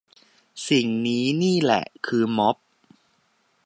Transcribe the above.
สิ่งนี้นี่แหละคือม็อบ